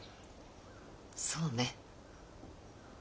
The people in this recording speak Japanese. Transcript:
そうね。